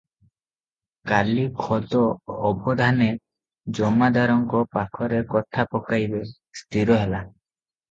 କାଲି ଖୋଦ ଅବଧାନେ ଜମାଦାରଙ୍କ ପଖରେ କଥା ପକାଇବେ, ସ୍ଥିର ହେଲା ।